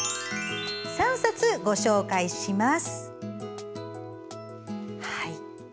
３冊ご紹介します。